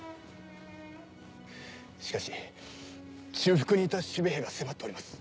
しかし中腹にいた守備兵が迫っております。